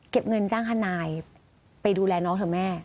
เงินจ้างทนายไปดูแลน้องเถอะแม่